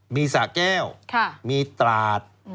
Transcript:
มีสะแก้วมีตราด